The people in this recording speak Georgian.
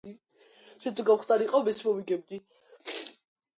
ბრიტანულმა ჯგუფმა უამრავი ამერიკელი ახალგაზრდის ცხოვრება შეცვალა.